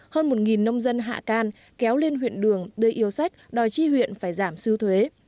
hơn một nông dân hạ can kéo lên huyện đường đưa yêu sách đòi chi huyện phải giảm sưu thuế